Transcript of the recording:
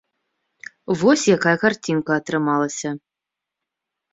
Вось якая карцінка атрымалася.